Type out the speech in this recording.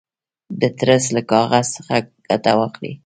د ترس له کاغذ څخه ګټه واخلئ.